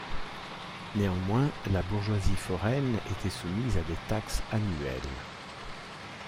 Néanmoins, la bourgeoisie foraine était soumise à des taxes annuelles.